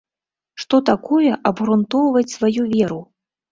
Што такое абгрунтоўваць сваю веру?